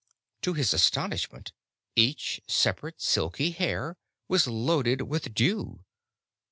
To his astonishment each separate, silky hair was loaded with dew.